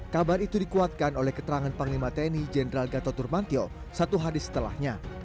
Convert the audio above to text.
kabar itu dikuatkan oleh keterangan panglima tni jenderal gatot nurmantio satu hari setelahnya